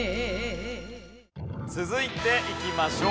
続いていきましょう。